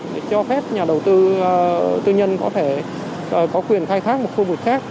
để cho phép nhà đầu tư tư nhân có thể có quyền khai thác một khu vực khác